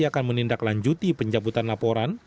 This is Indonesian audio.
akan menindaklanjuti pencabutan laporan